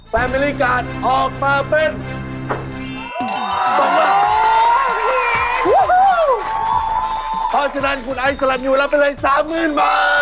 เพราะฉะนั้นคุณไอศรัทธิ์อยู่แล้วเป็นเลย๓๐๐๐๐เมือง